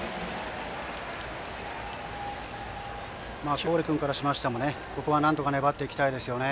郡君からしましてもここはなんとか粘っていきたいですね。